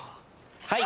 はい。